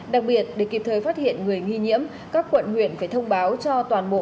đặc biệt để kịp thời phát hiện người nghi nhiễm các quận huyện phải thông báo cho toàn bộ